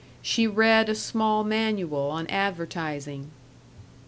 She read a small manual on advertising.